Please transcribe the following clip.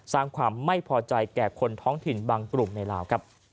สร้างความไม่พอใจแก่คนท้องถิ่นบางกลุ่มในลาว